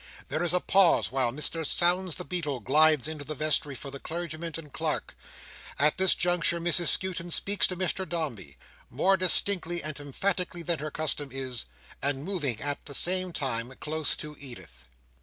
There is a pause while Mr Sownds the Beadle glides into the vestry for the clergyman and clerk. At this juncture, Mrs Skewton speaks to Mr Dombey: more distinctly and emphatically than her custom is, and moving at the same time, close to Edith.